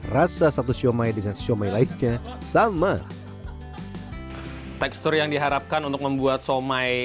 rasa satu siomay dengan siomay lainnya sama tekstur yang diharapkan untuk membuat somai